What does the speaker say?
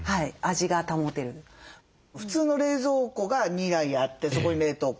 普通の冷蔵庫が２台あってそこに冷凍庫。